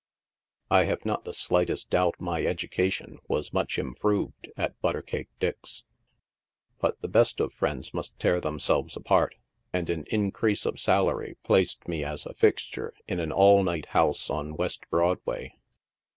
I have not the slightest doubt my education was much improved at Butter Cake Dick's, but the best of friends must tear themselves apart, and an increase of salary placed me as a fixture in an all night house on West Broadway.